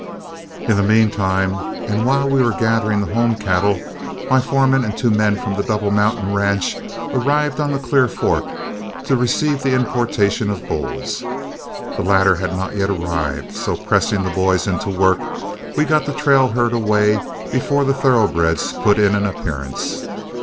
In the mean time and while we were gathering the home cattle, my foreman and two men from the Double Mountain ranch arrived on the Clear Fork to receive the importation of bulls. The latter had not yet arrived, so pressing the boys into work, we got the trail herd away before the thoroughbreds put in an appearance.